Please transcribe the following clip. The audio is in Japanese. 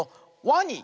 ワニ！